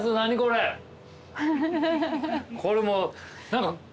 これもう何か。